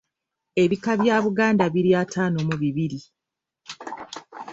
Ebika bya Buganda biri ataano mu bibiri.